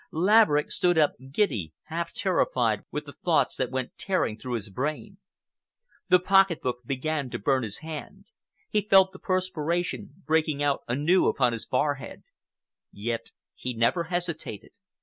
Laverick stood up, giddy, half terrified with the thoughts that went tearing through his brain. The pocket book began to burn his hand; he felt the perspiration breaking out anew upon his forehead. Yet he never hesitated.